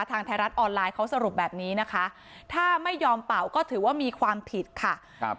ทางไทยรัฐออนไลน์เขาสรุปแบบนี้นะคะถ้าไม่ยอมเป่าก็ถือว่ามีความผิดค่ะครับ